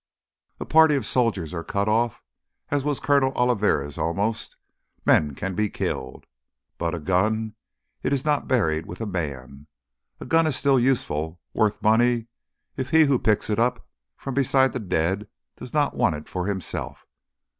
A party of soldiers are cut off, as was Coronel Oliveri almost—men can be killed. But a gun—it is not buried with a man. A gun is still useful, worth money, if he who picks it up from beside the dead does not want it for himself.